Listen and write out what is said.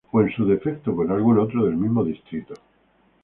O en su defecto con algún otro del mismo distrito.